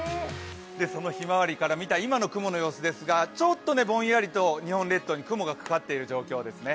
そのひまわりから見た今の雲の様子ですがちょっとぼんやりと日本列島に雲がかかっている状態ですね。